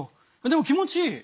でも気持ちいい。